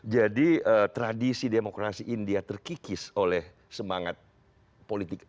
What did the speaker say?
jadi tradisi demokrasi india terkikis oleh semangat politik